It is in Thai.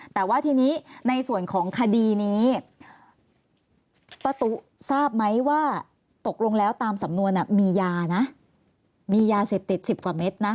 แต่ว่าทีนี้ในส่วนของคดีนี้ป้าตุ๊ทราบไหมว่าตกลงแล้วตามสำนวนมียานะมียาเสพติด๑๐กว่าเม็ดนะ